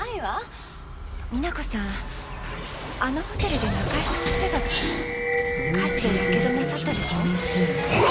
美奈子さんあのホテルで仲居さんをしてたとき火事でやけどなさったでしょ？